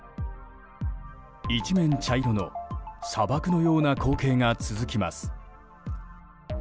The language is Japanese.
一面、茶色の砂漠のような光景が続きます。